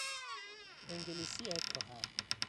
انگلیسی کهن